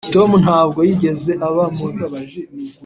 tom ntabwo yigeze aba mubi.